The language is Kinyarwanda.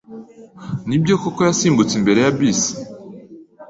Nibyo koko yasimbutse imbere ya bisi?